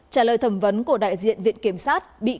trả lời thẩm vấn của đại diện viện kiểm sát